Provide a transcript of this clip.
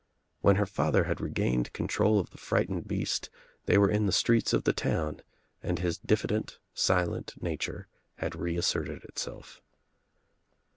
When her father had regained control of the frightened beast they were in the streets of the town and his diffident silent nature had reasserted itself.